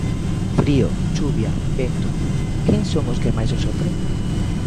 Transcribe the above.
Frío, chuvia, vento, quen son os que máis o sofren?